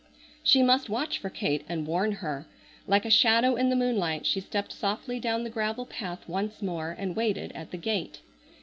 She must watch for Kate and warn her. Like a shadow in the moonlight she stepped softly down the gravel path once more and waited at the gate.